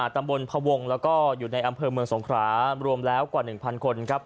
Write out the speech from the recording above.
ตำบลพวงแล้วก็อยู่ในอำเภอเมืองสงครารวมแล้วกว่า๑๐๐คนครับ